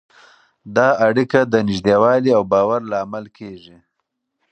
دا اړیکه د نږدېوالي او باور لامل کېږي.